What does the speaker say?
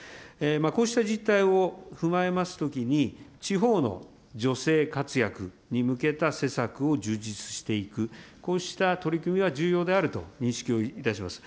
こうした実態を踏まえますときに、地方の女性活躍に向けた施策を充実していく、こうした取り組みは重要であると認識をいたします。